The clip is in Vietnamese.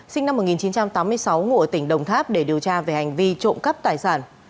sinh năm một nghìn chín trăm tám mươi sáu ngụ tỉnh đồng tháp để điều tra về hành vi trộm cắp tài sản